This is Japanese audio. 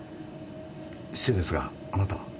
失礼ですがあなたは？